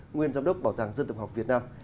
nguyên giám đốc bảo tàng dân tộc học việt nam